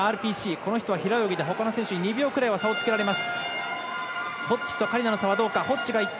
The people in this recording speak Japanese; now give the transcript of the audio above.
この人は平泳ぎでほかの選手に２秒くらいの差をつけられます。